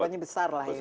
pokoknya besar lah itu